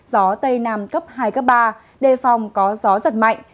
gió tây nam cấp hai cấp ba đề phòng có gió giật mạnh